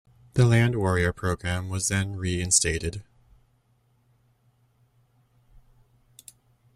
The Land Warrior program was then re-instated.